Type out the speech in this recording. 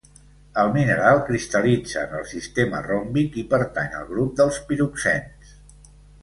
El mineral cristal·litza en el sistema ròmbic i pertany al grup dels piroxens.